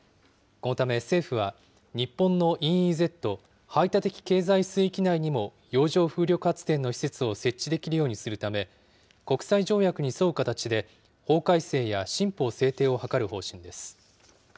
このため政府は、日本のＥＥＺ・排他的経済水域内にも、洋上風力発電の施設を設置できるようにするため、国際条約に沿う形で、法改正や新法制定を図る方針です。